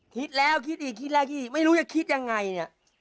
คิดแล้วคิดอีกคิดแรกที่ไม่รู้จะคิดยังไงเนี่ย